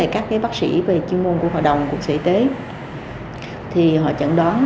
các bác sĩ về chuyên môn của hội phẫu thuật thẩm mỹ tp hcm chẳng đoán